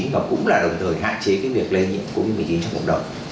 và cũng là đồng thời hạn chế cái việc lây nhiễm covid một mươi chín trong cộng đồng